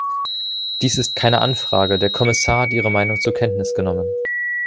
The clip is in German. Dies ist keine Anfrage, der Kommissar hat Ihre Meinung zur Kenntnis genommen.